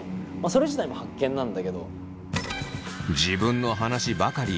それ自体も発見なんだけど。